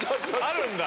あるんだ。